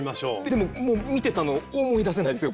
でももう見てたの思い出せないですよ